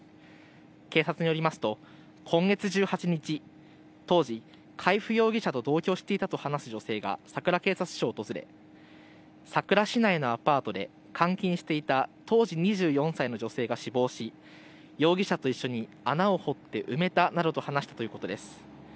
警察によりますと今月１８日、当時、海部容疑者と同居していたと話す女性がさくら警察署を訪れさくら市内のアパートで監禁していた当時２４歳の女性が死亡し容疑者と一緒に穴を掘って埋めたなどと話したということです。